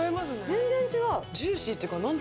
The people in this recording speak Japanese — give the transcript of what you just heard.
全然違う。